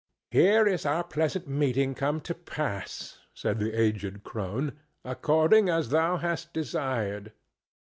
"Here is our pleasant meeting come to pass," said the aged crone, "according as thou hast desired.